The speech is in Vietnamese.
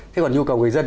thế còn nhu cầu người dân